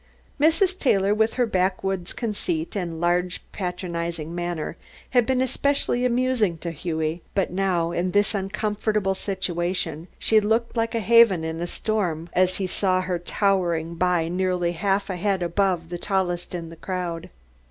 Mrs. Taylor, with her backwoods' conceit and large patronizing manner, had been especially amusing to Hughie, but now in this uncomfortable situation she looked like a haven in a storm as he saw her towering by nearly half a head above the tallest in the crowd.